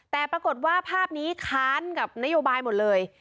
แต่ปรากฏว่าภาพนี้ค้านกับนโยบายหมดเลย